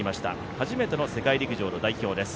初めての世界陸上の代表です。